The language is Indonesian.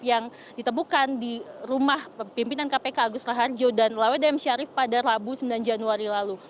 yang ditemukan di rumah pimpinan kpk agus raharjo dan lawede m syarif pada rabu sembilan januari lalu